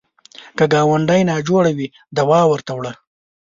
که ګاونډی ناجوړه وي، دوا ورته وړه